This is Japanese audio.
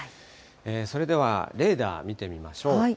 それではレーダー、見てみましょう。